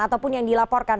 ataupun yang dilaporkan